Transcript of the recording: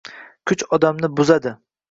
Kuch odamni buzadi